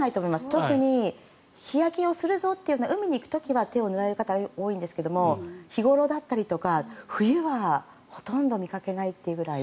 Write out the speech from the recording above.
特に日焼けをするぞって海に行く時には手に塗られる方は多いんですが日頃だったり冬はほとんど見かけないというぐらい。